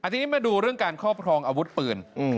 ทีนี้มาดูเรื่องการครอบครองอาวุธปืน